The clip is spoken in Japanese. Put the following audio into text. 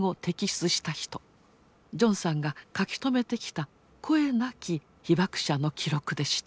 ジョンさんが書き留めてきた声なき被ばく者の記録でした。